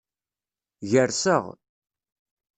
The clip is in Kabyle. Gerseɣ.